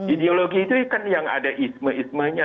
ideologi itu kan yang ada ismanya